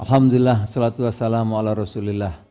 alhamdulillah salatu wassalamu ala rasulillah